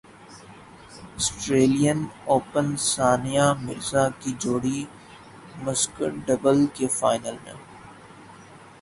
سٹریلین Open Sania Mirza کی جوڑی mixed double کے فائنل میں